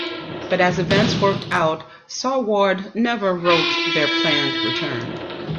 But as events worked out, Saward never wrote their planned return.